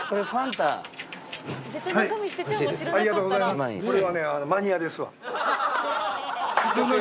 ありがとうございます。